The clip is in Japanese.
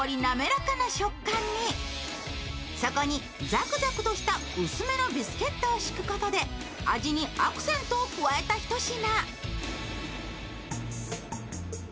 ザクザクとした薄めのビスケットを敷くことで味にアクセントを加えたひと品。